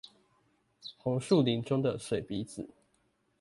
紅樹林中的水筆仔